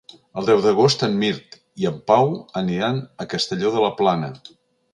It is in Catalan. El deu d'agost en Mirt i en Pau aniran a Castelló de la Plana.